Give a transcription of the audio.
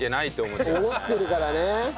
思ってるからね。